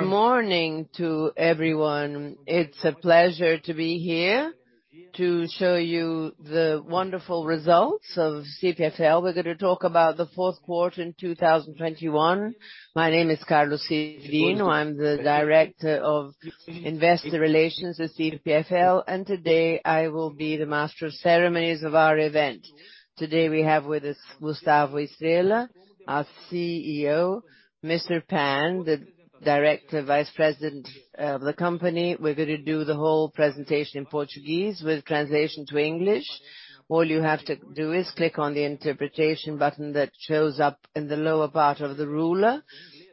Morning to everyone. It's a pleasure to be here to show you the wonderful results of CPFL. We're gonna talk about the fourth quarter in 2021. My name is Carlos Cyrino, I'm the Director of Investor Relations with CPFL, and today I will be the master of ceremonies of our event. Today we have with us Gustavo Estrella, our CEO. Mr. Pan, the Director Vice President of the company. We're gonna do the whole presentation in Portuguese with translation to English. All you have to do is click on the interpretation button that shows up in the lower part of the viewer.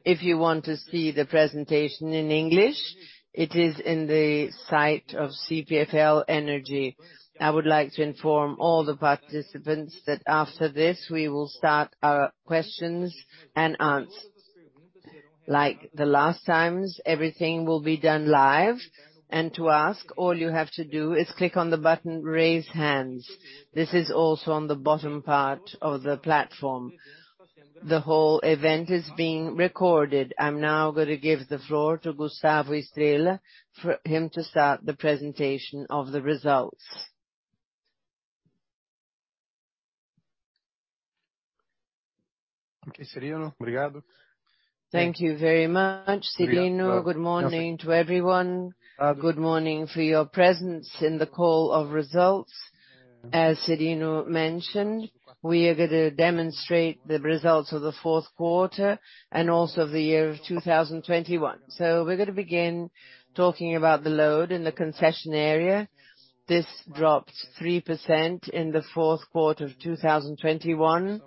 If you want to see the presentation in English, it is in the site of CPFL Energia. I would like to inform all the participants that after this, we will start our questions and answers. Like the last times, everything will be done live. To ask, all you have to do is click on the button Raise Hands. This is also on the bottom part of the platform. The whole event is being recorded. I'm now gonna give the floor to Gustavo Estrella for him to start the presentation of the results. Okay, Cyrino. Thank you very much, Cyrino. Good morning to everyone. Good morning for your presence in the call of results. As Cyrino mentioned, we are gonna demonstrate the results of the fourth quarter, and also the year of 2021. We're gonna begin talking about the load in the concession area. This dropped 3% in the fourth quarter of 2021,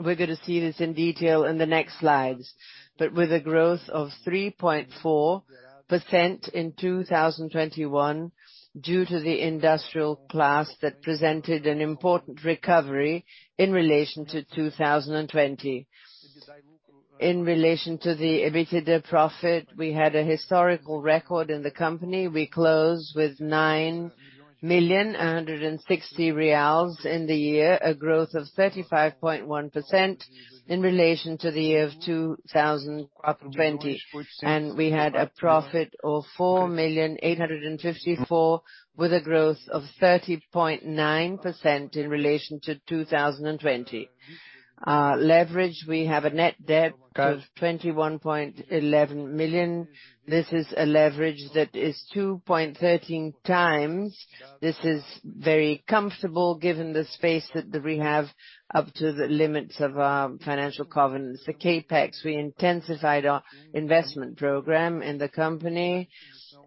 and very much due to temperature. We're gonna see this in detail in the next slides. with a growth of 3.4% in 2021 due to the industrial class that presented an important recovery in relation to 2020. In relation to the EBITDA profit, we had a historical record in the company. We closed with 9.16 million reais in the year, a growth of 35.1% in relation to the year of 2020. We had a profit of 4.854 million, with a growth of 30.9% in relation to 2020. Leverage, we have a net debt of 21.11 million. This is a leverage that is 2.13 times. This is very comfortable given the space that we have up to the limits of our financial covenants. The CapEx, we intensified our investment program in the company,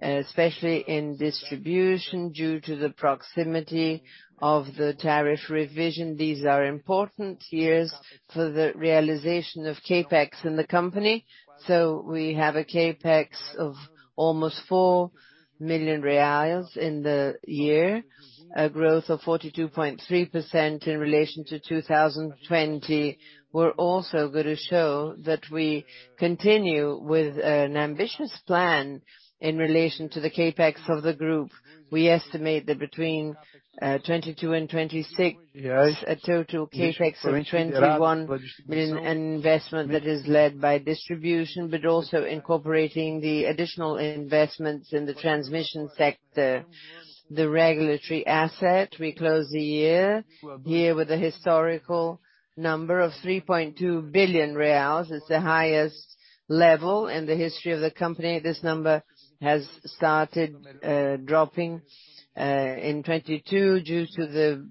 especially in distribution due to the proximity of the tariff revision. These are important years for the realization of CapEx in the company. We have a CapEx of almost 4 million reais in the year. A growth of 42.3% in relation to 2020. We're also gonna show that we continue with an ambitious plan in relation to the CapEx of the group. We estimate that between 2022 and 2026, a total CapEx of 21 million, an investment that is led by distribution, but also incorporating the additional investments in the transmission sector. The regulatory asset we closed the year here with a historical number of 3.2 billion reais. It's the highest level in the history of the company. This number has started dropping in 2022 due to the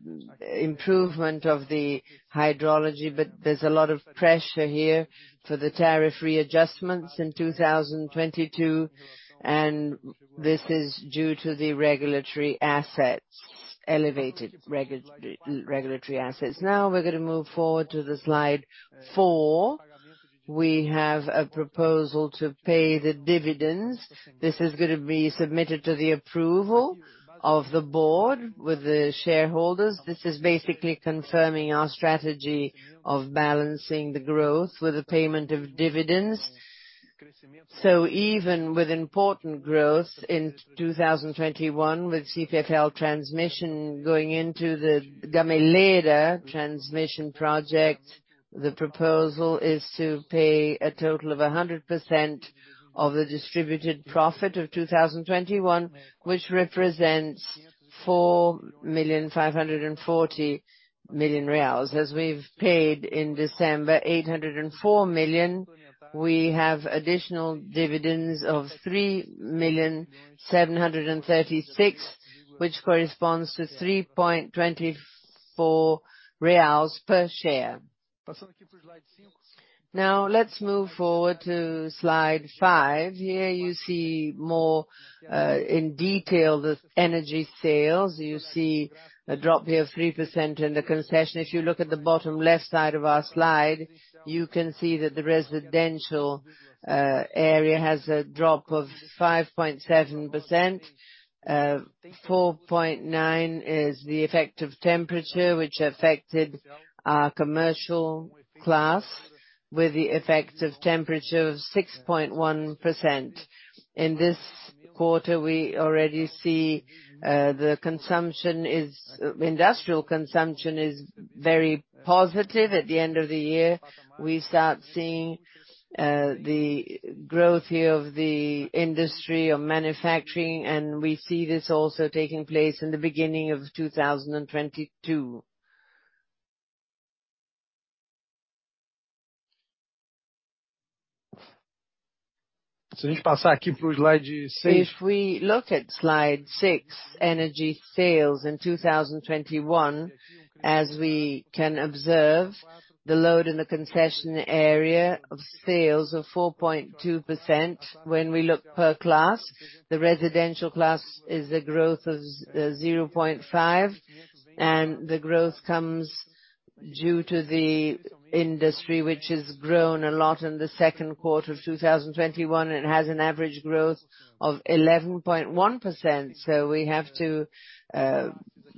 improvement of the hydrology. There's a lot of pressure here for the tariff readjustments in 2022, and this is due to the regulatory assets, elevated regulatory assets. Now we're gonna move forward to the slide four. We have a proposal to pay the dividends. This is gonna be submitted to the approval of the board with the shareholders. This is basically confirming our strategy of balancing the growth with the payment of dividends. Even with important growth in 2021 with CPFL Transmission going into the Gameleira transmission project, the proposal is to pay a total of 100% of the distributed profit of 2021, which represents 454 million reais. As we've paid in December, 804 million, we have additional dividends of 3,000,736, which corresponds to 3.24 reais per share. Now let's move forward to slide five. Here you see more in detail the energy sales. You see a drop here of 3% in the concession. If you look at the bottom left side of our slide, you can see that the residential area has a drop of 5.7%. 4.9% is the effect of temperature which affected our commercial class with the effect of temperature of 6.1%. In this quarter, we already see industrial consumption is very positive at the end of the year. We start seeing the growth here of the industry of manufacturing, and we see this also taking place in the beginning of 2022. If we pass here to slide six. If we look at slide six, energy sales in 2021, as we can observe, the load in the concession area of sales of 4.2% when we look per class. The residential class is a growth of 0.5, and the growth comes due to the industry which has grown a lot in the second quarter of 2021, and has an average growth of 11.1%. We have to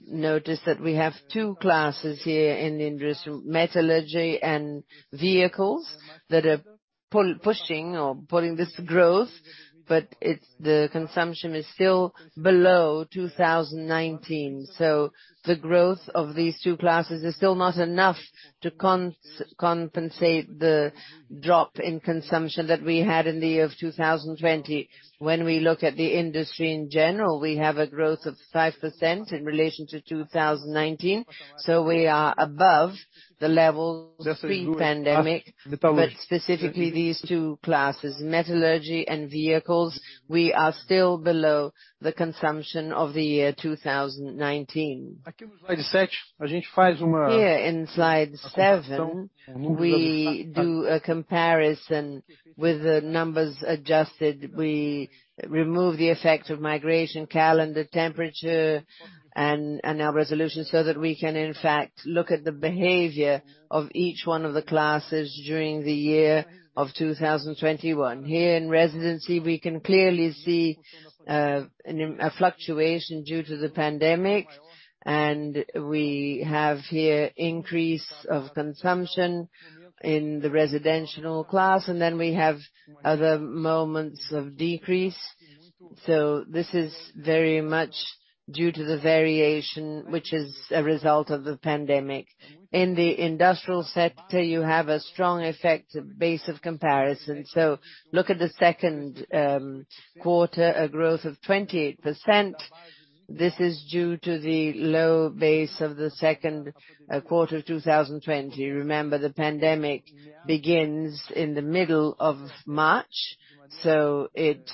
notice that we have two classes here in industry, metallurgy and vehicles that are pulling this growth, but the consumption is still below 2019. The growth of these two classes is still not enough to compensate the drop in consumption that we had in the year of 2020. When we look at the industry in general, we have a growth of 5% in relation to 2019. We are above the levels pre-pandemic. Specifically these two classes, metallurgy and vehicles, we are still below the consumption of the year 2019. Here in slide seven, we do a comparison with the numbers adjusted. We remove the effect of migration, calendar, temperature, and our resolution so that we can in fact look at the behavior of each one of the classes during the year of 2021. Here in residential, we can clearly see a fluctuation due to the pandemic, and we have here an increase of consumption in the residential class, and then we have other moments of decrease. This is very much due to the variation, which is a result of the pandemic. In the industrial sector, you have a strong base effect of comparison. Look at the second quarter, a growth of 28%. This is due to the low base of the second quarter of 2020. Remember, the pandemic begins in the middle of March, so it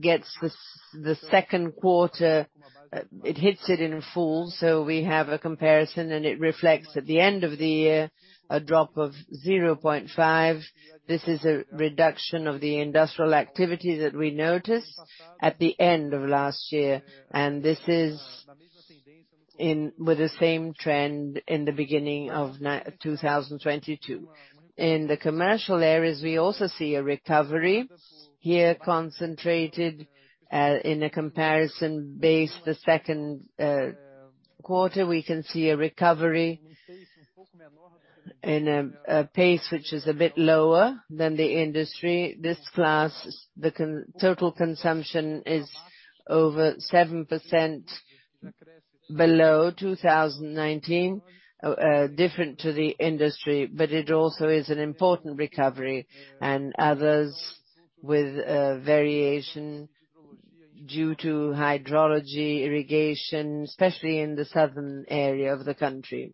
gets the second quarter, it hits it in full. We have a comparison, and it reflects at the end of the year a drop of 0.5%. This is a reduction of the industrial activity that we noticed at the end of last year. This is with the same trend in the beginning of 2022. In the commercial areas, we also see a recovery. Here, concentrated in a comparison base, the second quarter, we can see a recovery in a pace which is a bit lower than the industry. This class, the total consumption is over 7% below 2019. Different to the industry, but it also is an important recovery and others with a variation due to hydrology, irrigation, especially in the southern area of the country.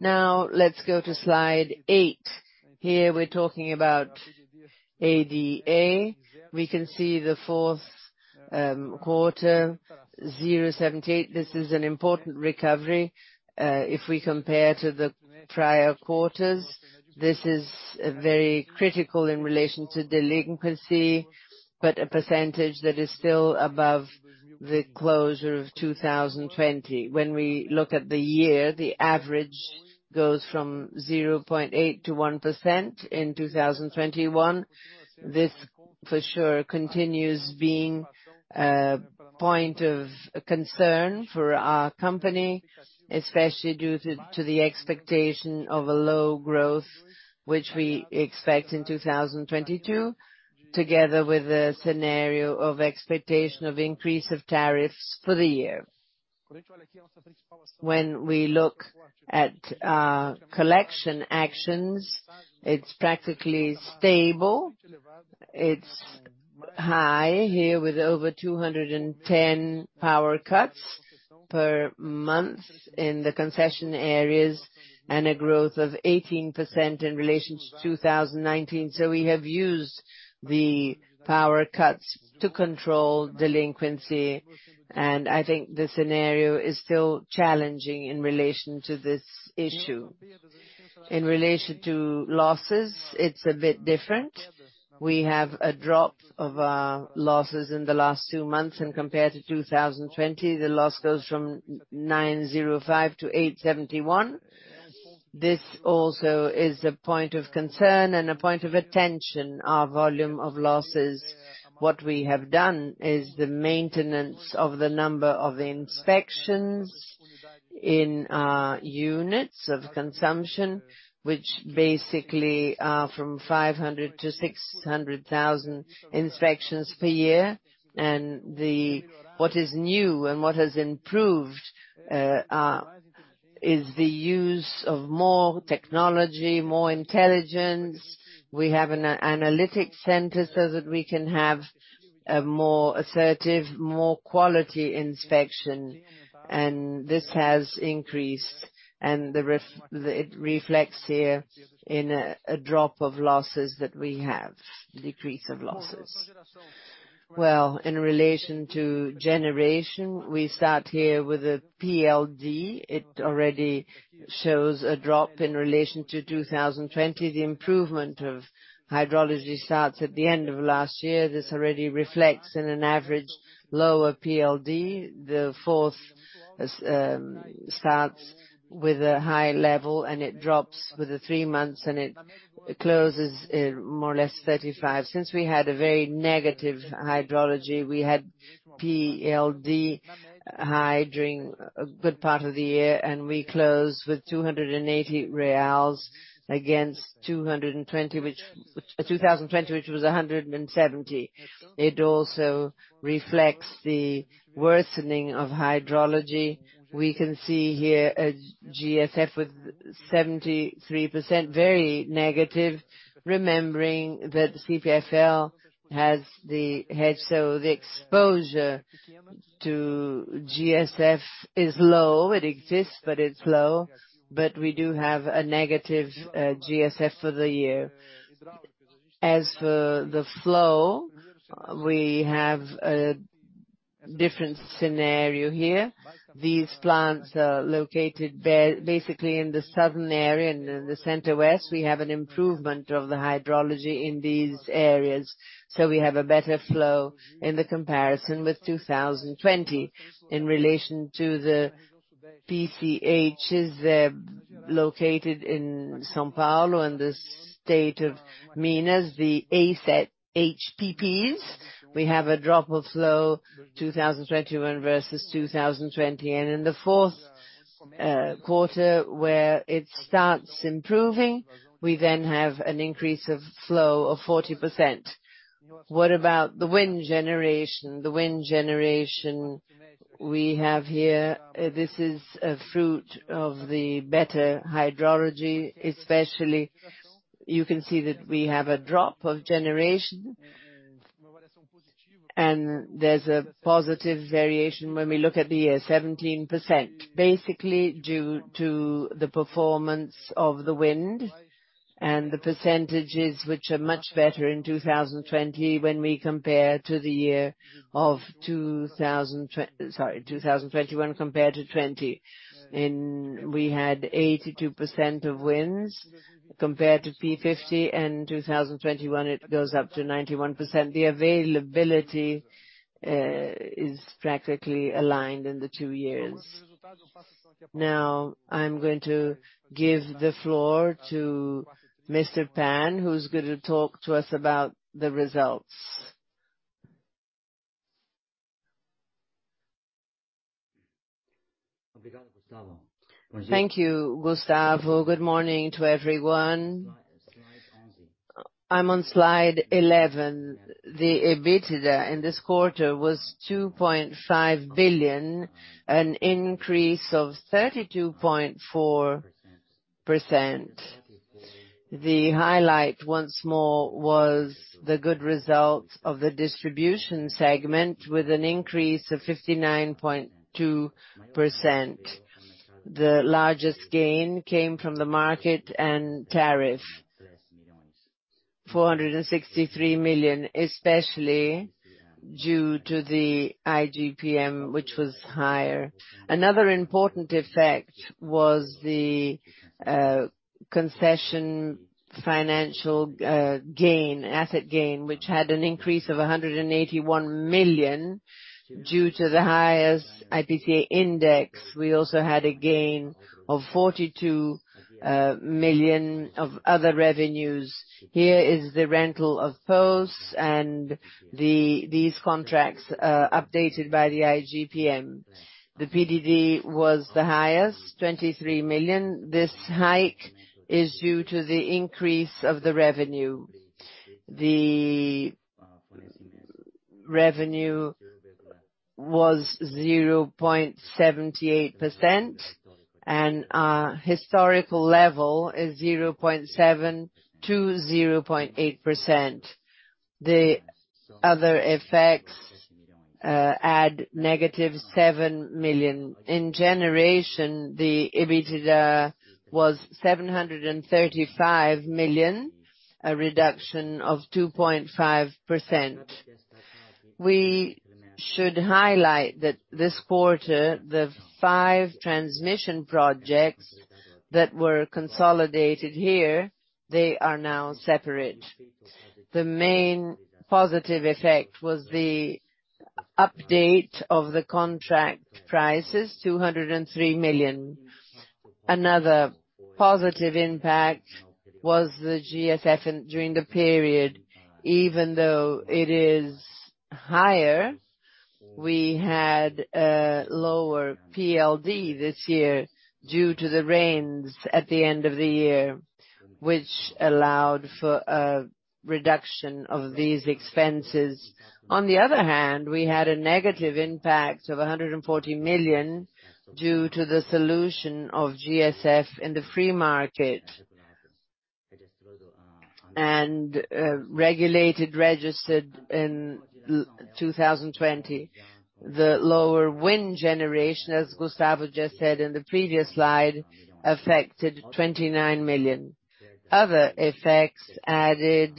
Now let's go to slide eight. Here we're talking about EBITDA. We can see the fourth quarter, 0.78. This is an important recovery, if we compare to the prior quarters. This is very critical in relation to delinquency, but a percentage that is still above the closure of 2020. When we look at the year, the average goes from 0.8% to 1% in 2021. This for sure continues being a point of concern for our company, especially due to the expectation of a low growth which we expect in 2022, together with the scenario of expectation of increase of tariffs for the year. When we look at our collection actions, it's practically stable. It's high here with over 210 power cuts per month in the concession areas and a growth of 18% in relation to 2019. We have used the power cuts to control delinquency, and I think the scenario is still challenging in relation to this issue. In relation to losses, it's a bit different. We have a drop of losses in the last two months, and compared to 2020, the loss goes from 905 to 871. This also is a point of concern and a point of attention, our volume of losses. What we have done is the maintenance of the number of inspections in our units of consumption, which basically are from 500 to 600 thousand inspections per year. What is new and what has improved is the use of more technology, more intelligence. We have an analytics center so that we can have a more assertive, more quality inspection, and this has increased, and it reflects here in a drop of losses that we have, decrease of losses. Well, in relation to generation, we start here with a PLD. It already shows a drop in relation to 2020. The improvement of hydrology starts at the end of last year. This already reflects in an average lower PLD. The fourth starts with a high level, and it drops with the three months, and it closes more or less 35. Since we had a very negative hydrology, we had PLD high during a good part of the year, and we closed with 280 reais against 220, 2020, which was 170. It also reflects the worsening of hydrology. We can see here a GSF with 73%, very negative, remembering that CPFL has the hedge, so the exposure to GSF is low. It exists, but it's low. We do have a negative GSF for the year. As for the flow, we have a different scenario here. These plants are located basically in the southern area. In the Center-West, we have an improvement of the hydrology in these areas, so we have a better flow in comparison with 2020. In relation to the PCHs, they're located in São Paulo, in the state of Minas Gerais, the asset HPPs. We have a drop of flow 2021 versus 2020. In the fourth quarter, where it starts improving, we then have an increase of flow of 40%. What about the wind generation? The wind generation we have here, this is a fruit of the better hydrology, especially you can see that we have a drop of generation and there's a positive variation when we look at the year, 17%, basically due to the performance of the wind and the percentages which are much better in 2020 when we compare to the year of 2021 compared to 2020. We had 82% of winds compared to P50, and 2021, it goes up to 91%. The availability is practically aligned in the two years. Now I'm going to give the floor to Mr. Pan, who's gonna talk to us about the results. Thank you, Gustavo. Good morning to everyone. I'm on slide 11. The EBITDA in this quarter was 2.5 billion, an increase of 32.4%. The highlight, once more, was the good results of the distribution segment with an increase of 59.2%. The largest gain came from the market and tariff, 463 million, especially due to the IGPM, which was higher. Another important effect was the concession financial asset gain, which had an increase of 181 million due to the highest IPCA index. We also had a gain of 42 million of other revenues. Here is the rental of posts and these contracts updated by the IGPM. The PDD was the highest, 23 million. This hike is due to the increase of the revenue. The revenue was 0.78%, and our historical level is 0.7%-0.8%. The other effects add -7 million. In generation, the EBITDA was 735 million, a reduction of 2.5%. We should highlight that this quarter, the five transmission projects that were consolidated here, they are now separate. The main positive effect was the update of the contract prices, 203 million. Another positive impact was the GSF during the period. Even though it is higher, we had a lower PLD this year due to the rains at the end of the year, which allowed for a reduction of these expenses. On the other hand, we had a negative impact of 140 million due to the solution of GSF in the free market, regulated, registered in 2020. The lower wind generation, as Gustavo just said in the previous slide, affected 29 million. Other effects added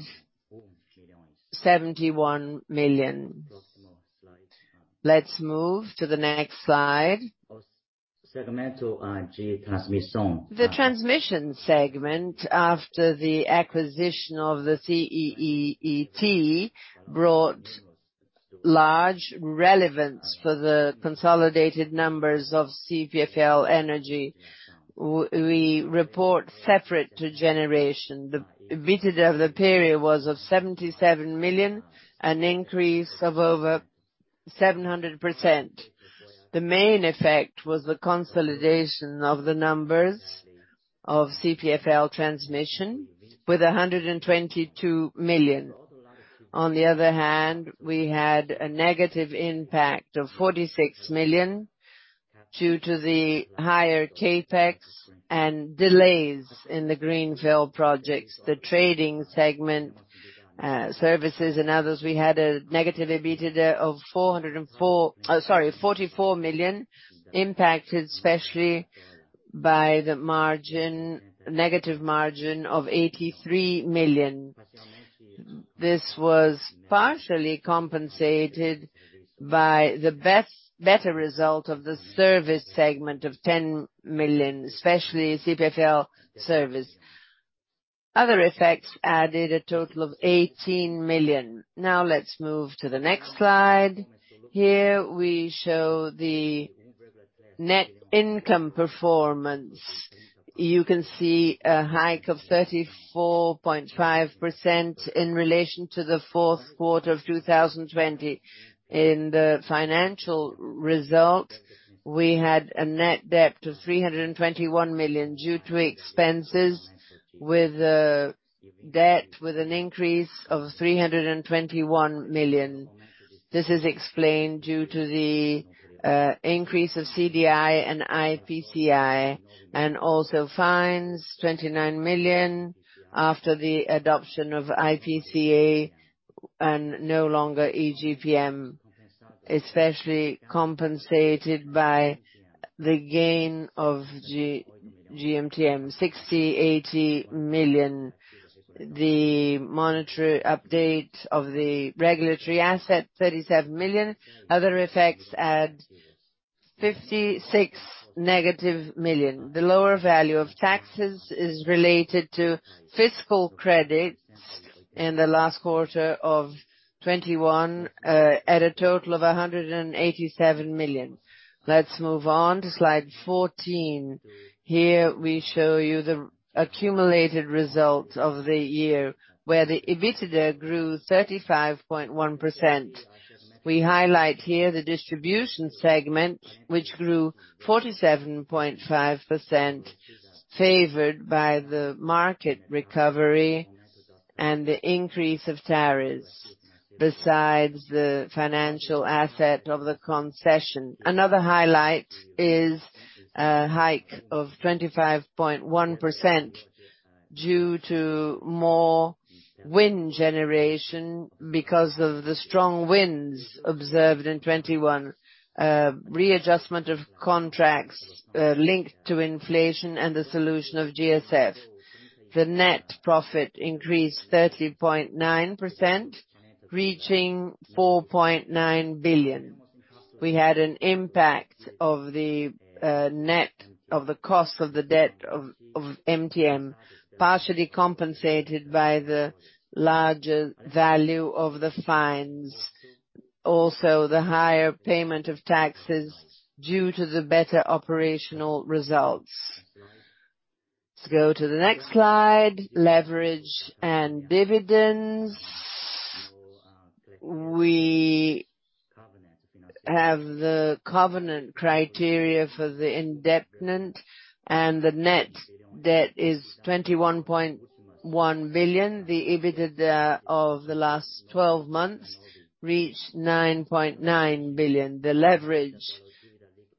71 million. Let's move to the next slide. Segmento de Transmissão. The transmission segment after the acquisition of the CEEE-T brought large relevance for the consolidated numbers of CPFL Energia. We report separate to generation. The EBITDA of the period was 77 million, an increase of over 700%. The main effect was the consolidation of the numbers of CPFL Transmissão with 122 million. On the other hand, we had a negative impact of 46 million due to the higher CapEx and delays in the greenfield projects. The trading segment, services and others, we had a negative EBITDA of 44 million impacted especially by the margin, negative margin of 83 million. This was partially compensated by the better result of the service segment of 10 million, especially CPFL Serviços. Other effects added a total of 18 million. Now, let's move to the next slide. Here we show the net income performance. You can see a hike of 34.5% in relation to the fourth quarter of 2020. In the financial result, we had a net debt of 321 million due to expenses with debt with an increase of 321 million. This is explained due to the increase of CDI and IPCA, and also fines, 29 million after the adoption of IPCA and no longer IGP-M, especially compensated by the gain of GSF MTM, 68 million. The monetary update of the regulatory asset, 37 million. Other effects add -56 million. The lower value of taxes is related to fiscal credits in the last quarter of 2021, at a total of 187 million. Let's move on to slide 14. Here we show you the accumulated results of the year where the EBITDA grew 35.1%. We highlight here the distribution segment, which grew 47.5% favored by the market recovery and the increase of tariffs besides the financial asset of the concession. Another highlight is a hike of 25.1% due to more wind generation because of the strong winds observed in 2021. Readjustment of contracts linked to inflation and the solution of GSF. The net profit increased 30.9%, reaching 4.9 billion. We had an impact of the net of the cost of the debt of MTM, partially compensated by the larger value of the fines. Also, the higher payment of taxes due to the better operational results. Let's go to the next slide, leverage and dividends. We have the covenant criteria for the indebtedness, and the net debt is 21.1 billion. The EBITDA of the last twelve months reached 9.9 billion. The leverage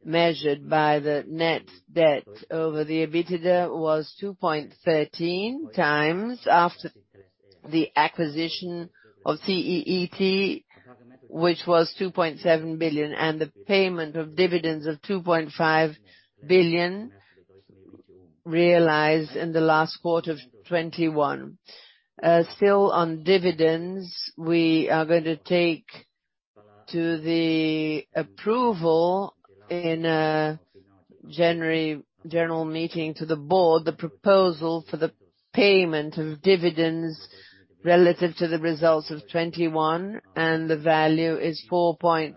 measured by the net debt over the EBITDA was 2.13x after the acquisition of CEEE-T, which was 2.7 billion, and the payment of dividends of 2.5 billion realized in the last quarter of 2021. Still on dividends, we are going to take to the board the proposal for approval in the January general meeting for the payment of dividends relative to the results of 2021, and the value is 4.54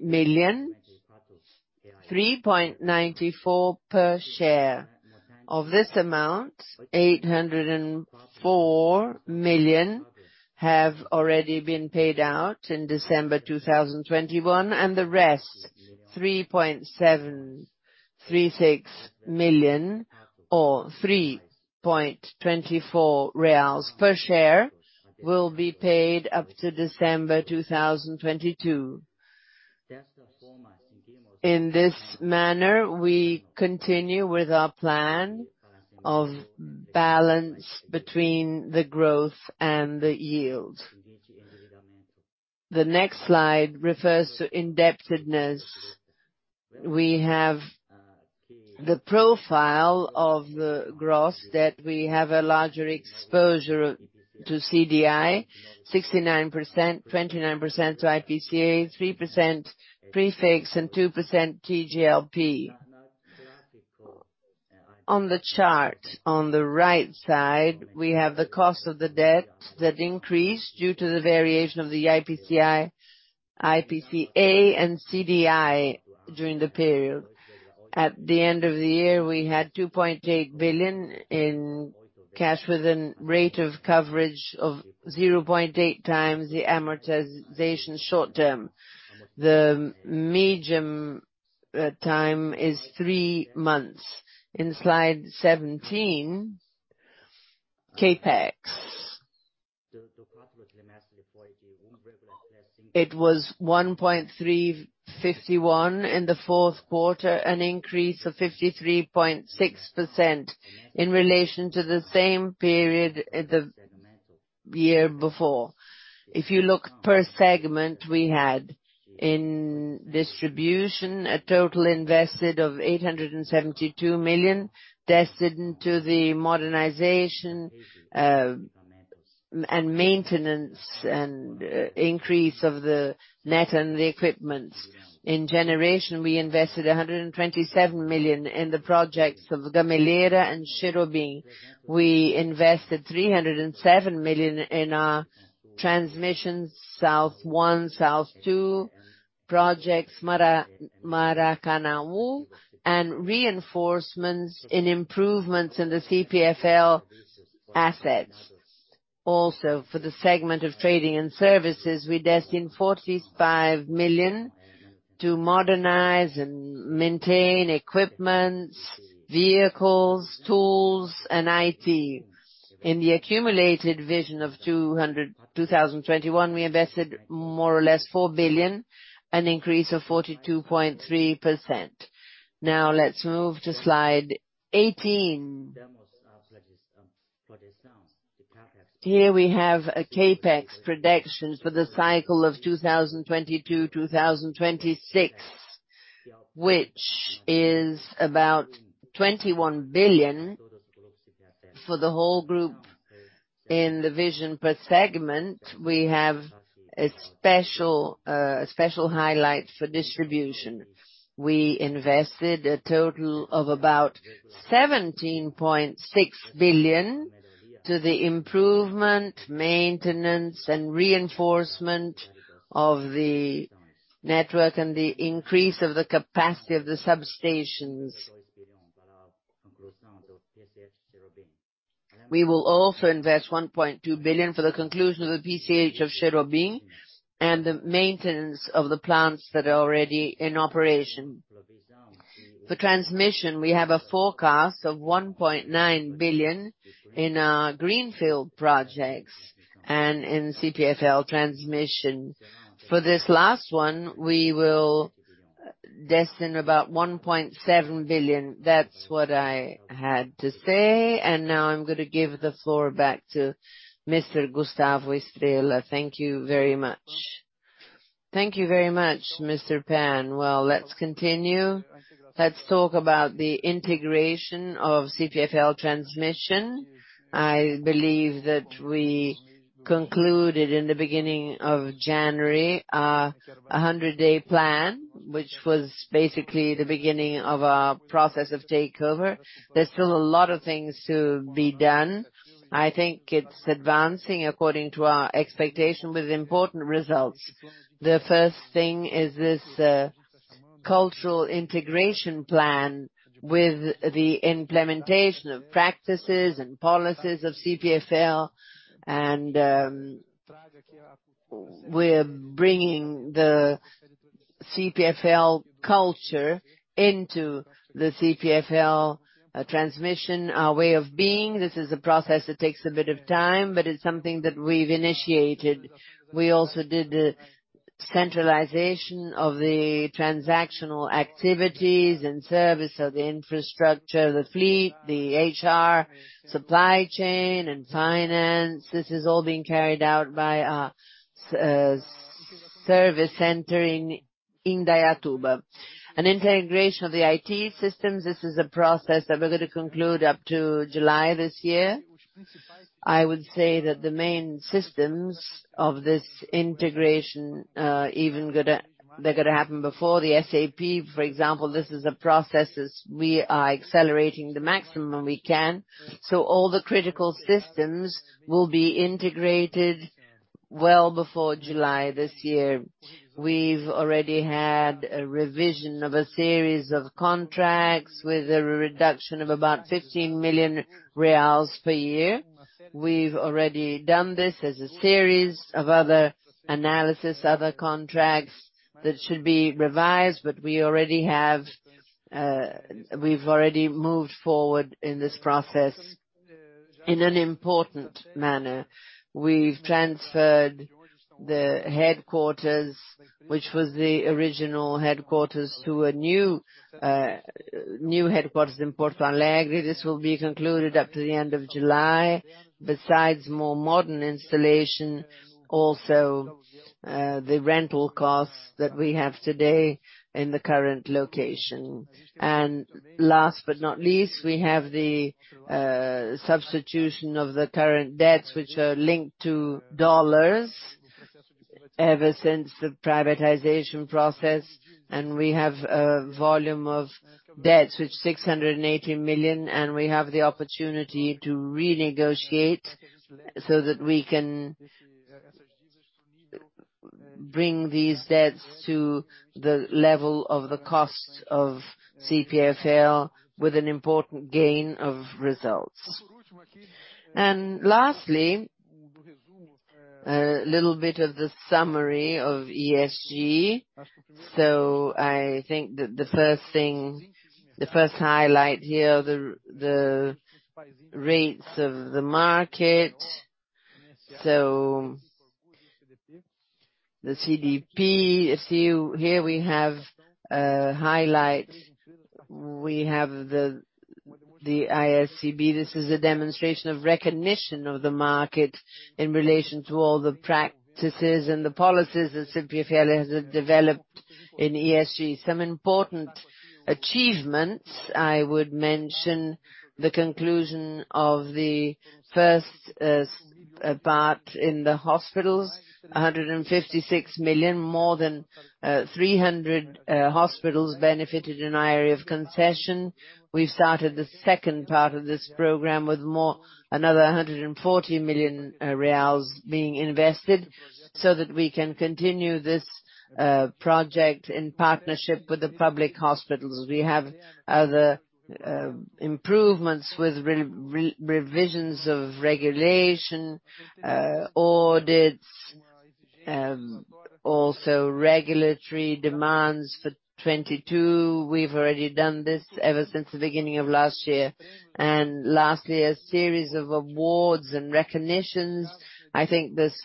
billion, 3.94 per share. Of this amount, 804 million have already been paid out in December 2021, and the rest, 3.736 billion or 3.24 reais per share, will be paid up to December 2022. In this manner, we continue with our plan of balance between the growth and the yield. The next slide refers to indebtedness. We have the profile of the gross, that we have a larger exposure to CDI, 69%, 29% to IPCA, 3% prefix, and 2% TJLP. On the chart on the right side, we have the cost of the debt that increased due to the variation of the IPCA and CDI during the period. At the end of the year, we had 2.8 billion in cash with rate of coverage of 0.8x the amortization short term. The average time is three months. In slide 17, CapEx. It was 1.351 billion in the fourth quarter, an increase of 53.6% in relation to the same period the year before. If you look per segment, we had in distribution a total invested of 872 million destined to the modernization and maintenance and increase of the net and the equipment. In generation, we invested 127 million in the projects of Gameleira and Xirú Bem. We invested 307 million in our transmission Sul I, Sul II projects, Maracanaú, and reinforcements in improvements in the CPFL assets. Also, for the segment of trading and services, we destined 45 million to modernize and maintain equipment, vehicles, tools, and IT. In the accumulated vision of 2021, we invested more or less 4 billion, an increase of 42.3%. Now let's move to slide 18. Here we have CapEx predictions for the cycle of 2022-2026, which is about 21 billion for the whole group. In the vision per segment, we have a special highlight for distribution. We invested a total of about 17.6 billion to the improvement, maintenance, and reinforcement of the network and the increase of the capacity of the substations. We will also invest 1.2 billion for the conclusion of the PCH of Cherobim and the maintenance of the plants that are already in operation. For transmission, we have a forecast of 1.9 billion in our greenfield projects and in CPFL transmission. For this last one, we will destine about 1.7 billion. That's what I had to say. Now I'm gonna give the floor back to Mr. Gustavo Estrella. Thank you very much. Thank you very much, Mr. Pan. Well, let's continue. Let's talk about the integration of CPFL Transmission. I believe that we concluded in the beginning of January a 100-day plan, which was basically the beginning of our process of takeover. There's still a lot of things to be done. I think it's advancing according to our expectation with important results. The first thing is this cultural integration plan with the implementation of practices and policies of CPFL. We're bringing the CPFL culture into the CPFL Transmission, our way of being. This is a process that takes a bit of time, but it's something that we've initiated. We also did the centralization of the transactional activities and service of the infrastructure, the fleet, the HR, supply chain, and finance. This is all being carried out by our service center in Indaiatuba. An integration of the IT systems, this is a process that we're gonna conclude up to July this year. I would say that the main systems of this integration, they're gonna happen before the SAP, for example. This is a process as we are accelerating as much as we can. All the critical systems will be integrated well before July this year. We've already had a revision of a series of contracts with a reduction of about 15 million reais per year. We've already done this as a series of other analysis, other contracts that should be revised, but we already have, we've already moved forward in this process. In an important manner, we've transferred the headquarters, which was the original headquarters, to a new headquarters in Porto Alegre. This will be concluded up to the end of July. Besides more modern installation, also, the rental costs that we have today in the current location. Last but not least, we have the substitution of the current debts which are linked to dollars ever since the privatization process. We have a volume of debts, which $680 million, and we have the opportunity to renegotiate so that we can bring these debts to the level of the cost of CPFL with an important gain of results. Lastly, a little bit of the summary of ESG. I think the first thing, the first highlight here, the rates of the market. The CDP, see here we have highlights. We have the ISE B3. This is a demonstration of recognition of the market in relation to all the practices and the policies that CPFL has developed in ESG. Some important achievements, I would mention the conclusion of the first part in the hospitals. 156 million, more than 300 hospitals benefited in our area of concession. We've started the second part of this program with another 140 million reais being invested so that we can continue this project in partnership with the public hospitals. We have other improvements with revisions of regulation, audits, also regulatory demands for 2022. We've already done this ever since the beginning of last year. Lastly, a series of awards and recognitions. I think this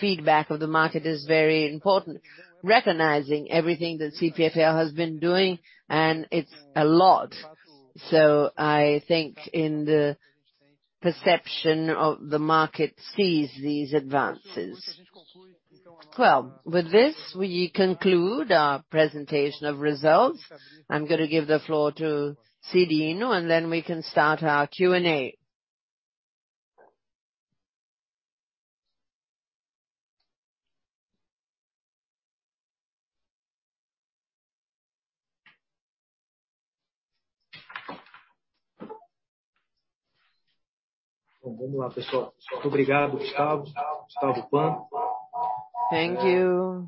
feedback of the market is very important, recognizing everything that CPFL has been doing, and it's a lot. I think the market sees these advances. With this, we conclude our presentation of results. I'm gonna give the floor to Cyrino, and then we can start our Q&A. Thank you.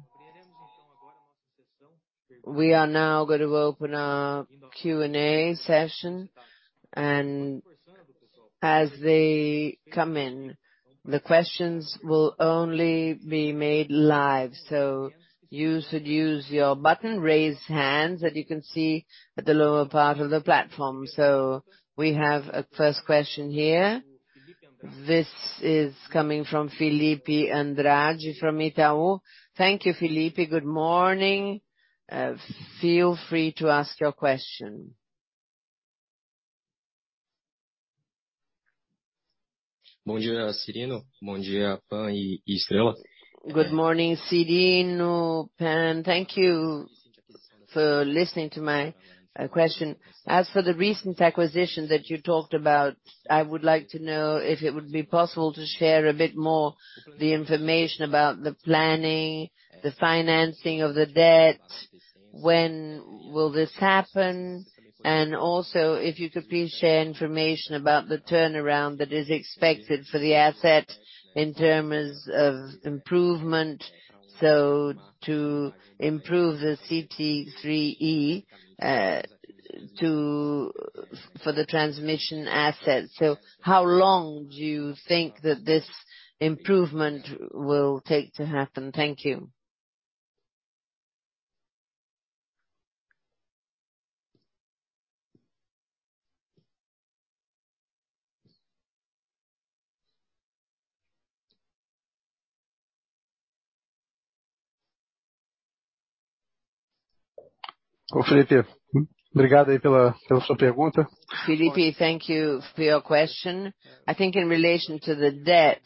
We are now gonna open our Q&A session. As they come in, the questions will only be made live. You should use your button, Raise Hand, that you can see at the lower part of the platform. We have a first question here. This is coming from Felipe Andrade from Itaú BBA. Thank you, Felipe. Good morning. Feel free to ask your question. Good morning, Cyrino. Good morning, Pan. Thank you for listening to my question. As for the recent acquisition that you talked about, I would like to know if it would be possible to share a bit more the information about the planning, the financing of the debt. When will this happen? And also, if you could please share information about the turnaround that is expected for the asset in terms of improvement, so to improve the CEEE-T for the transmission assets. So how long do you think that this improvement will take to happen? Thank you. Felipe, thank you for your question. I think in relation to the debt,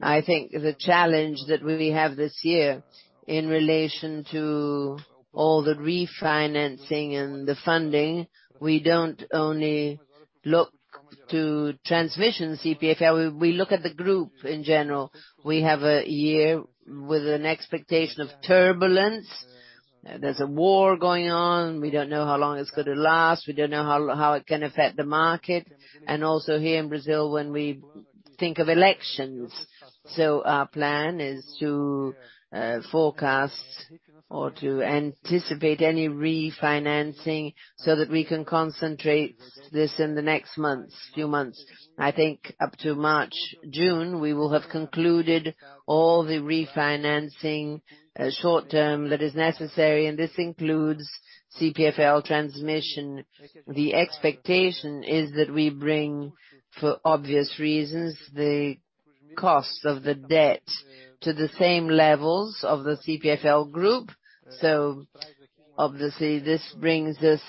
I think the challenge that we have this year in relation to all the refinancing and the funding, we don't only look to CPFL Transmissão, we look at the group in general. We have a year with an expectation of turbulence. There's a war going on. We don't know how long it's gonna last. We don't know how it can affect the market and also here in Brazil when we think of elections. Our plan is to forecast or to anticipate any refinancing so that we can concentrate this in the next months, few months. I think up to March, June, we will have concluded all the refinancing, short-term that is necessary, and this includes CPFL transmission. The expectation is that we bring, for obvious reasons, the cost of the debt to the same levels of the CPFL group. Obviously this brings us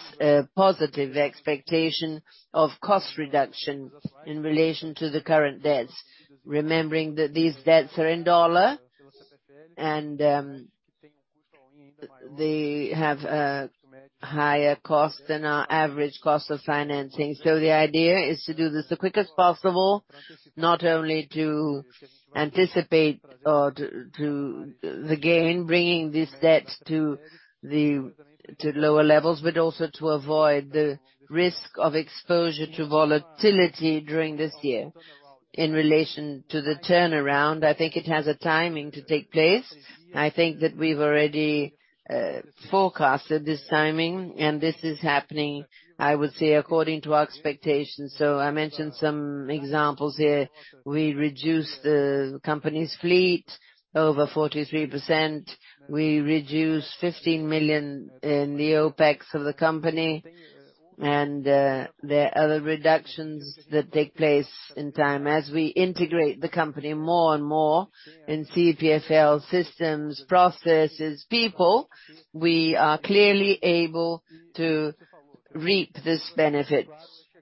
positive expectation of cost reduction in relation to the current debts. Remembering that these debts are in dollar and they have a higher cost than our average cost of financing. The idea is to do this as quick as possible, not only to anticipate or to the gain, bringing this debt to lower levels, but also to avoid the risk of exposure to volatility during this year. In relation to the turnaround, I think it has a timing to take place. I think that we've already forecasted this timing, and this is happening, I would say, according to our expectations. I mentioned some examples here. We reduced the company's fleet over 43%. We reduced 15 million in the OPEX of the company. There are other reductions that take place in time. As we integrate the company more and more in CPFL systems, processes, people, we are clearly able to reap these benefits.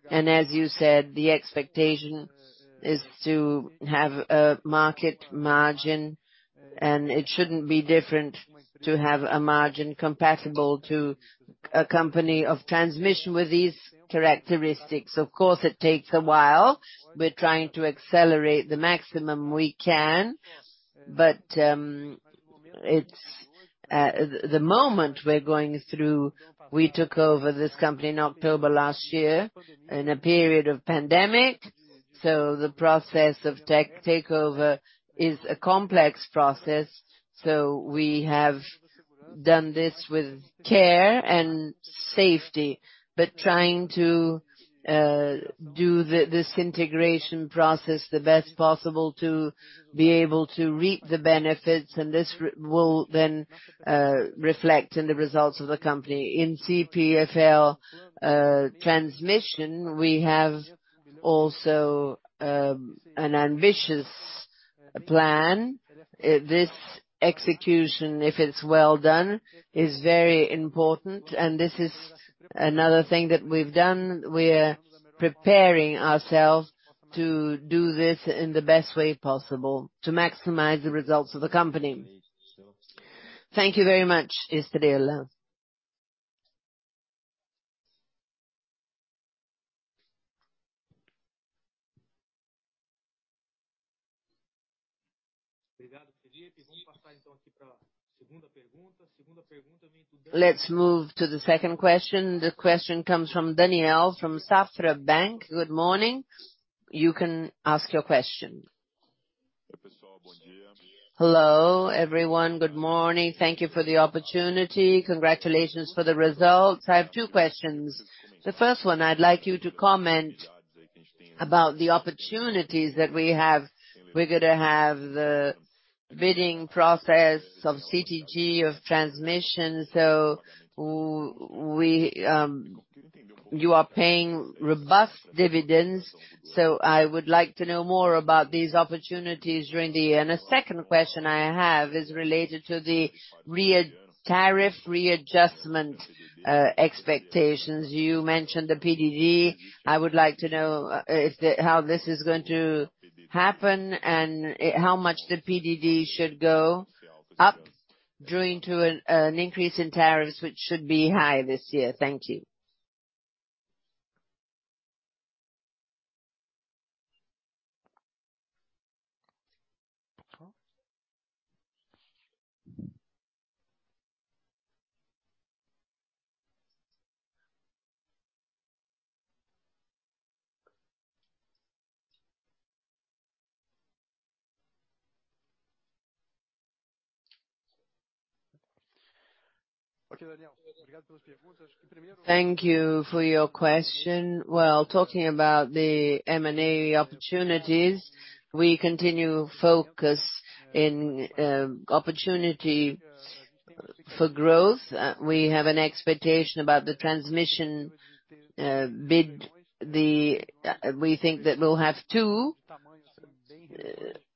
As you said, the expectation is to have a market margin, and it shouldn't be different to have a margin compatible to a company of transmission with these characteristics. Of course, it takes a while. We're trying to accelerate the maximum we can. It's the moment we're going through. We took over this company in October last year in a period of pandemic, so the process of takeover is a complex process. We have done this with care and safety, but trying to do this integration process the best possible to be able to reap the benefits, and this will then reflect in the results of the company. In CPFL Transmissão, we have also an ambitious plan. This execution, if it's well done, is very important, and this is another thing that we've done. We're preparing ourselves to do this in the best way possible to maximize the results of the company. Thank you very much, Estrella. Let's move to the second question. The question comes from Daniel, from Safra Bank. Good morning. You can ask your question. Hello, everyone. Good morning. Thank you for the opportunity. Congratulations for the results. I have two questions. The first one, I'd like you to comment about the opportunities that we have. We're gonna have the bidding process of CTG, of transmission. So you are paying robust dividends. So I would like to know more about these opportunities during the year. A second question I have is related to the tariff readjustment, expectations. You mentioned the PDD. I would like to know how this is going to happen and how much the PDD should go up due to an increase in tariffs, which should be high this year. Thank you. Thank you for your question. Well, talking about the M&A opportunities, we continue to focus on opportunity for growth. We have an expectation about the transmission bid. We think that we'll have two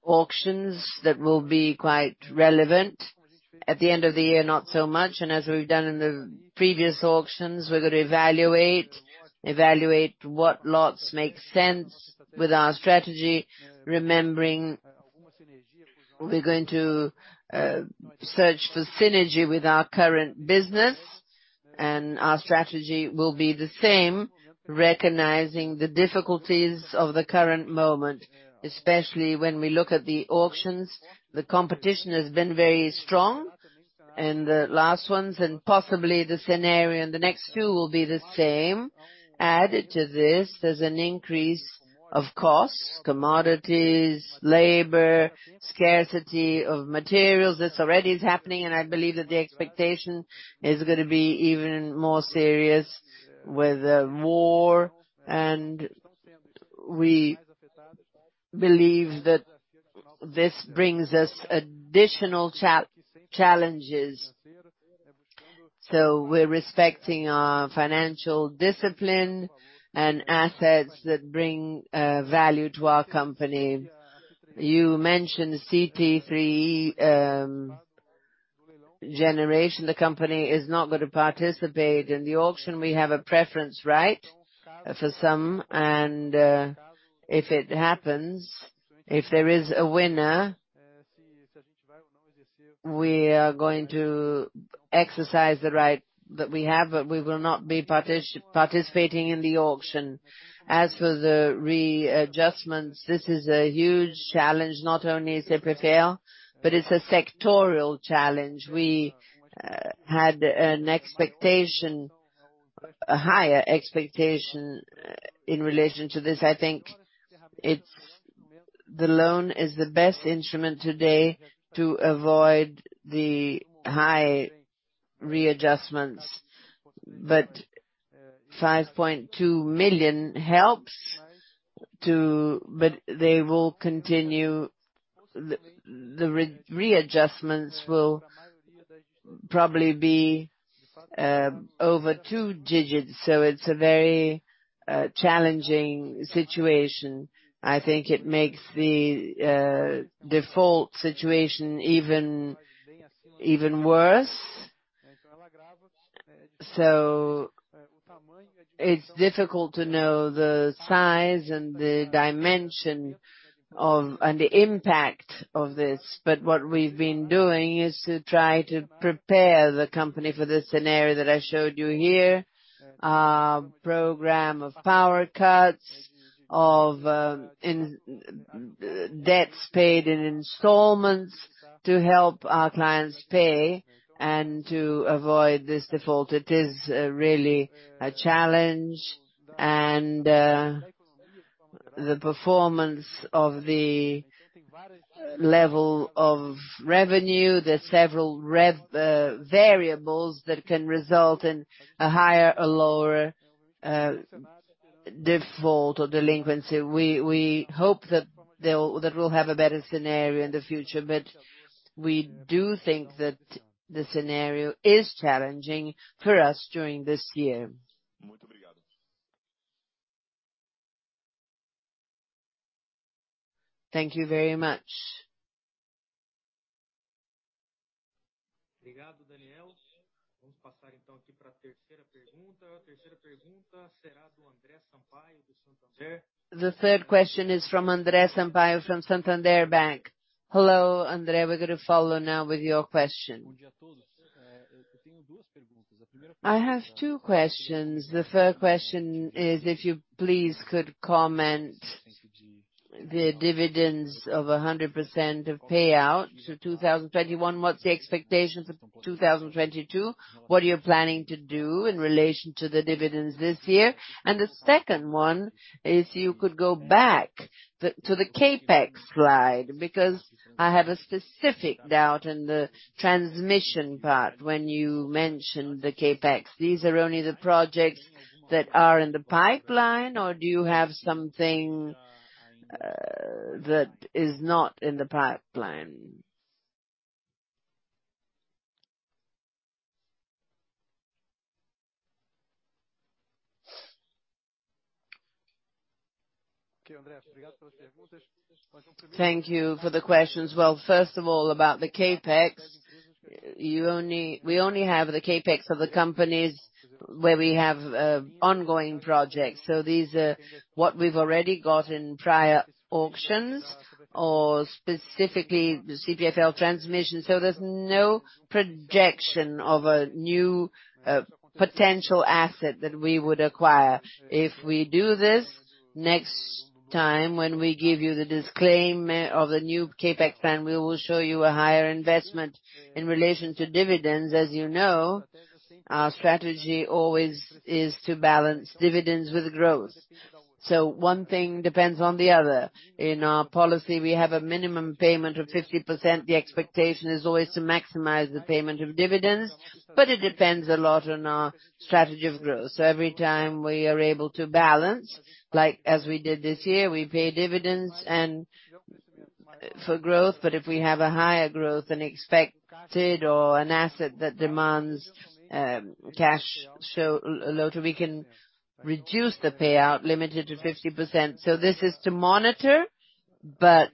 auctions that will be quite relevant. At the end of the year, not so much. As we've done in the previous auctions, we're gonna evaluate what lots make sense with our strategy. Remembering we're going to search for synergy with our current business, and our strategy will be the same, recognizing the difficulties of the current moment, especially when we look at the auctions. The competition has been very strong in the last ones, and possibly the scenario in the next 2 will be the same. Added to this, there's an increase of costs, commodities, labor, scarcity of materials. This already is happening, and I believe that the expectation is gonna be even more serious with the war. We believe that this brings us additional challenges. We're respecting our financial discipline and assets that bring value to our company. You mentioned CT 3 generation. The company is not gonna participate in the auction. We have a preference right for some and if it happens, if there is a winner, we are going to exercise the right that we have. But we will not be participating in the auction. As for the readjustments, this is a huge challenge, not only CPFL, but it's a sectorial challenge. We had an expectation, a higher expectation in relation to this. I think the loan is the best instrument today to avoid the high readjustments. 5.2 million helps to. They will continue. The readjustments will probably be over two digits, so it's a very challenging situation. I think it makes the default situation even worse. It's difficult to know the size and the dimension of and the impact of this, but what we've been doing is to try to prepare the company for the scenario that I showed you here. Program of power cuts, of debts paid in installments to help our clients pay and to avoid this default. It is really a challenge. The performance of the level of revenue, several variables that can result in a higher or lower default or delinquency. We hope that we'll have a better scenario in the future, but we do think that the scenario is challenging for us during this year. Thank you very much. The third question is from Andre Sampaio from Santander. Hello, Andre. We're gonna follow now with your question. I have two questions. The first question is if you please could comment the dividends of 100% of payout to 2021. What's the expectations of 2022? What are you planning to do in relation to the dividends this year? The second one is you could go back to the CapEx slide, because I have a specific doubt in the transmission part when you mentioned the CapEx. These are only the projects that are in the pipeline, or do you have something that is not in the pipeline? Thank you for the questions. Well, first of all, about the CapEx, we only have the CapEx of the companies where we have ongoing projects. These are what we've already got in prior auctions or specifically the CPFL Transmission. There's no projection of a new potential asset that we would acquire. If we do this, next time when we give you the disclosure of the new CapEx plan, we will show you a higher investment in relation to dividends. As you know, our strategy always is to balance dividends with growth. One thing depends on the other. In our policy, we have a minimum payment of 50%. The expectation is always to maximize the payment of dividends, but it depends a lot on our strategy of growth. Every time we are able to balance, like as we did this year, we pay dividends and for growth. If we have a higher growth than expected or an asset that demands a lot of cash, we can reduce the payout limited to 50%. This is to monitor, but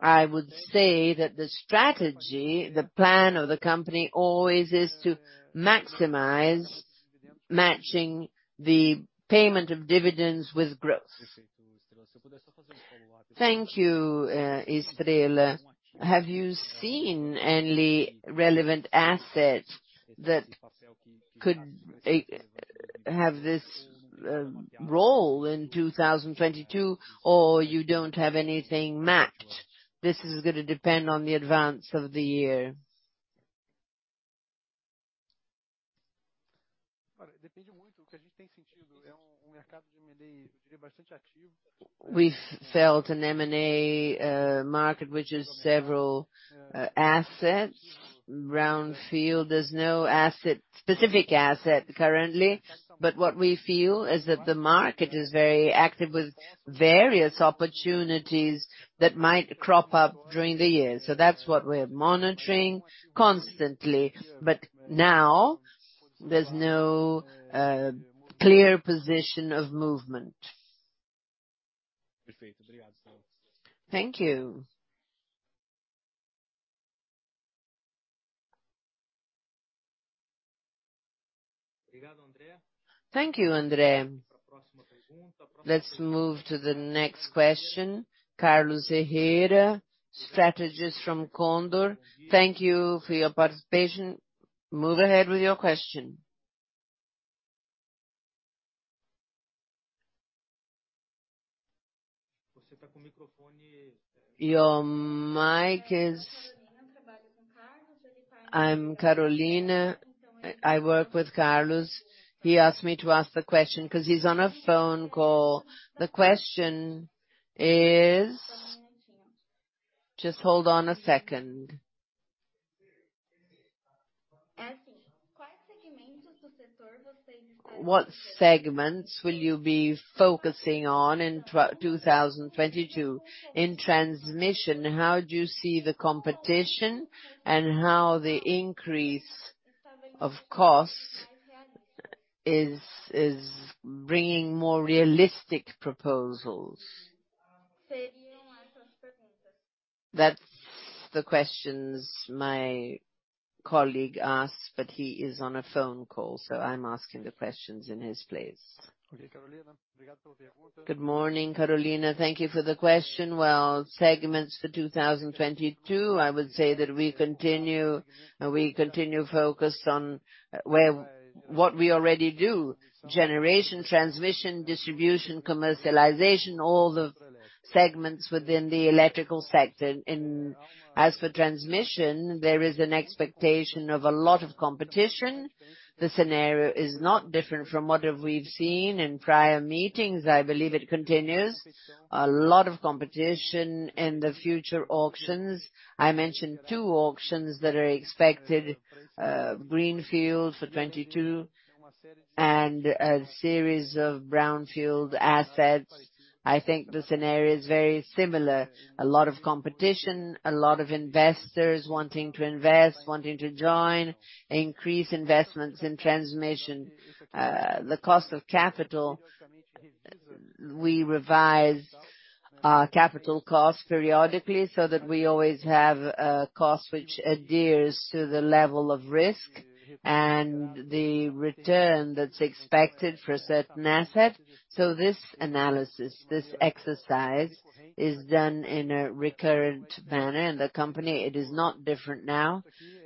I would say that the strategy, the plan of the company always is to maximize matching the payment of dividends with growth. Thank you, Estrella. Have you seen any relevant assets that could have this role in 2022, or you don't have anything mapped? This is gonna depend on the advance of the year. We've felt an M&A market which is several assets. Brownfield, there's no asset, specific asset currently. What we feel is that the market is very active with various opportunities that might crop up during the year. That's what we're monitoring constantly. Now, there's no clear position of movement. Thank you. Thank you, Andre. Let's move to the next question. Carlos Herrera, Strategist from CANDOR. Thank you for your participation. Move ahead with your question. Your mic is... I'm Carolina, I work with Carlos. He asked me to ask the question 'cause he's on a phone call. The question is... Just hold on a second. What segments will you be focusing on in 2022? In transmission, how do you see the competition, and how the increase of costs is bringing more realistic proposals? That's the questions my colleague asked, but he is on a phone call, so I'm asking the questions in his place. Good morning, Carolina. Thank you for the question. Well, segments for 2022, I would say that we continue focused on what we already do. Generation, transmission, distribution, commercialization, all the segments within the electrical sector. As for transmission, there is an expectation of a lot of competition. The scenario is not different from what we've seen in prior meetings. I believe it continues. A lot of competition in the future auctions. I mentioned two auctions that are expected, greenfield for 2022 and a series of brownfield assets. I think the scenario is very similar. A lot of competition, a lot of investors wanting to invest, wanting to join, increase investments in transmission. The cost of capital, we revise our capital costs periodically so that we always have a cost which adheres to the level of risk and the return that's expected for a certain asset. This analysis, this exercise, is done in a recurrent manner in the company. It is not different now.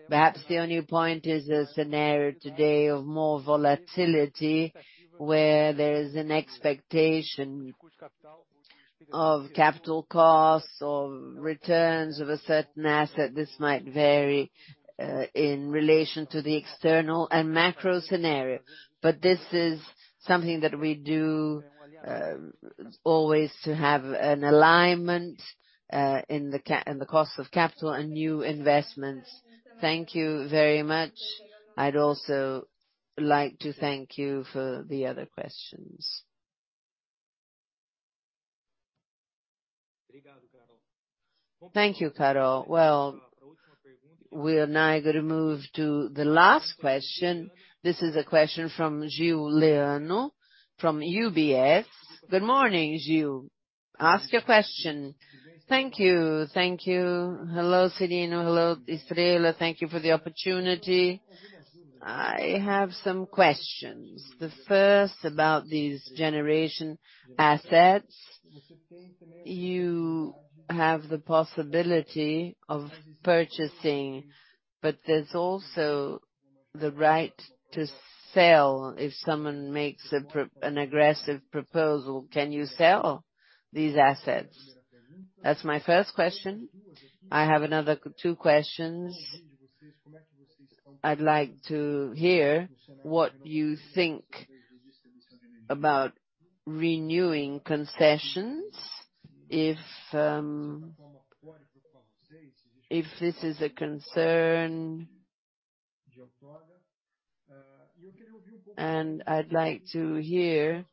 Perhaps the only point is the scenario today of more volatility, where there is an expectation of capital costs or returns of a certain asset. This might vary in relation to the external and macro scenario. This is something that we do always to have an alignment in the cost of capital and new investments. Thank you very much. I'd also like to thank you for the other questions. Thank you, Carlos. Well, we're now gonna move to the last question. This is a question from Juliano from UBS. Good morning, Juliano. Ask your question. Thank you. Hello, Cyrino. Hello, Estrella. Thank you for the opportunity. I have some questions. The first, about these generation assets. You have the possibility of purchasing, but there's also the right to sell if someone makes an aggressive proposal. Can you sell these assets? That's my first question. I have another two questions. I'd like to hear what you think about renewing concessions, if this is a concern. I'd like to hear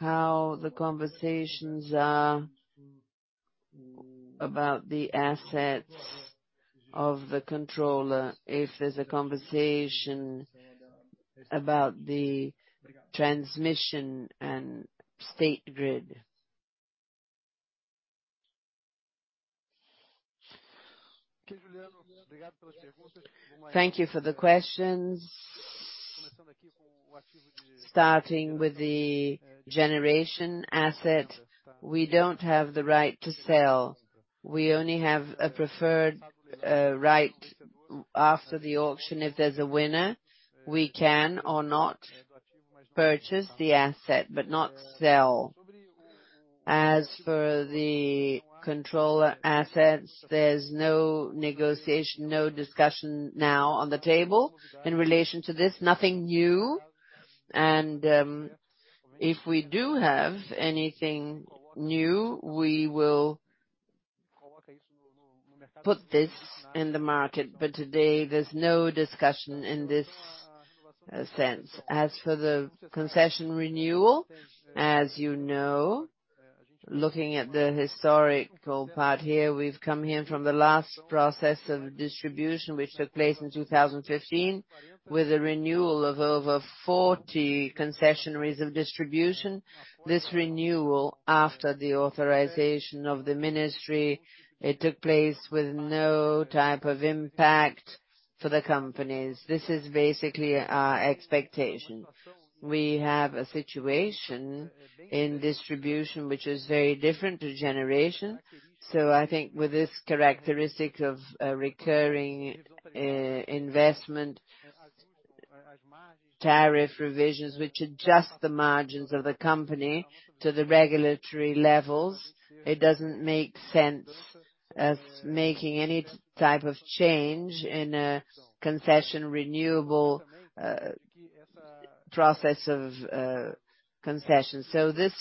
how the conversations are about the assets of the controller, if there's a conversation about the transmission and State Grid. Thank you for the questions. Starting with the generation asset, we don't have the right to sell. We only have a preferred right after the auction. If there's a winner, we can or not purchase the asset, but not sell. As for the controller assets, there's no negotiation, no discussion now on the table in relation to this. Nothing new. If we do have anything new, we will put this in the market. Today there's no discussion in this sense. As for the concession renewal, as you know. Looking at the historical part here, we've come here from the last process of distribution which took place in 2015, with a renewal of over 40 concessionaires of distribution. This renewal, after the authorization of the ministry, it took place with no type of impact for the companies. This is basically our expectation. We have a situation in distribution which is very different to generation. I think with this characteristic of recurring investment tariff revisions, which adjust the margins of the company to the regulatory levels, it doesn't make sense for us to make any type of change in a concession renewal process for the concession. This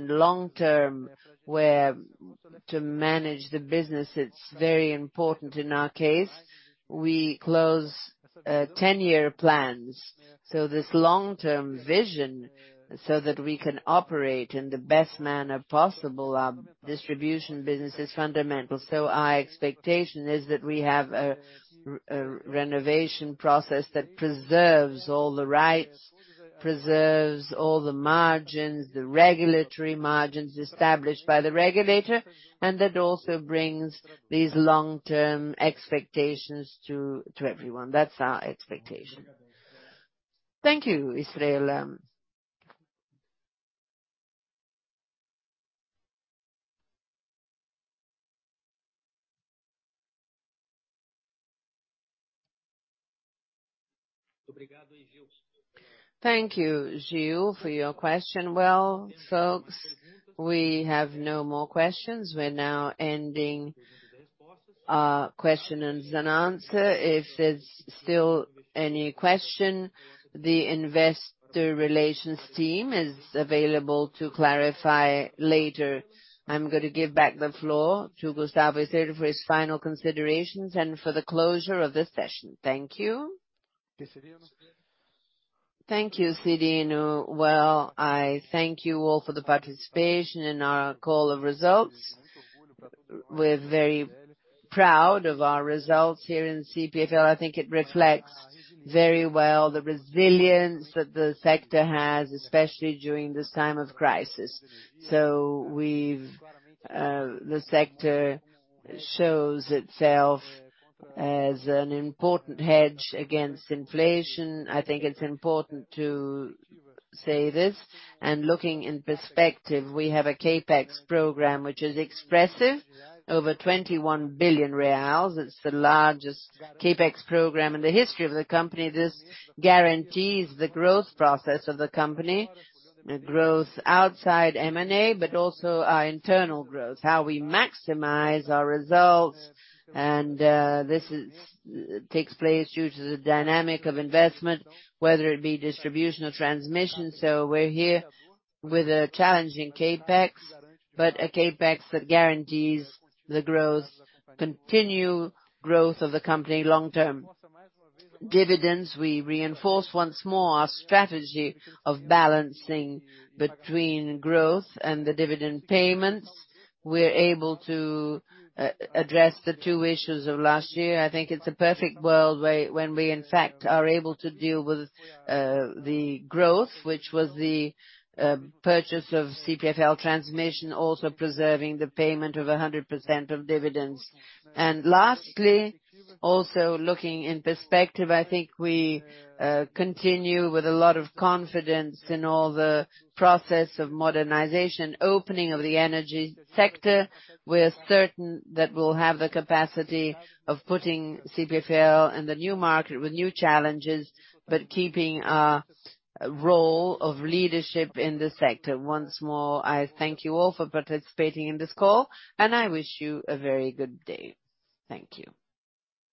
long-term vision with which to manage the business is very important in our case. We close ten-year plans. This long-term vision, so that we can operate our distribution business in the best manner possible, is fundamental. Our expectation is that we have a renewal process that preserves all the rights, preserves all the margins, the regulatory margins established by the regulator, and that also brings these long-term expectations to everyone. That's our expectation. Thank you, Gustavo Estrella. Thank you, Juliano, for your question. Well, folks, we have no more questions. We're now ending our question and answer. If there's still any question, the investor relations team is available to clarify later. I'm gonna give back the floor to Gustavo Estrella for his final considerations and for the closure of this session. Thank you. Thank you, Cyrino. Well, I thank you all for the participation in our call of results. We're very proud of our results here in CPFL. I think it reflects very well the resilience that the sector has, especially during this time of crisis. The sector shows itself as an important hedge against inflation. I think it's important to say this. Looking in perspective, we have a CapEx program which is expressive, over 21 billion reais. It's the largest CapEx program in the history of the company. This guarantees the growth process of the company, a growth outside M&A, but also our internal growth, how we maximize our results and this takes place due to the dynamic of investment, whether it be distribution or transmission. We're here with a challenging CapEx, but a CapEx that guarantees the growth, continued growth of the company long term. Dividends, we reinforce once more our strategy of balancing between growth and the dividend payments. We're able to address the two issues of last year. I think it's a perfect world when we, in fact, are able to deal with the growth, which was the purchase of CPFL Transmissão, also preserving the payment of 100% of dividends. Lastly, also looking in perspective, I think we continue with a lot of confidence in all the process of modernization, opening of the energy sector. We're certain that we'll have the capacity of putting CPFL in the new market with new challenges, but keeping our role of leadership in this sector. Once more, I thank you all for participating in this call, and I wish you a very good day. Thank you.